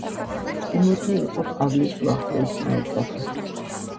ტიმოთე იყო პავლეს უახლოესი მოწაფე.